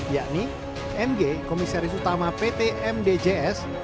yakni mg komisaris utama pt mdjs